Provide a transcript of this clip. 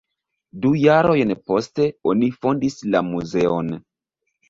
Du jarojn poste oni fondis la muzeon.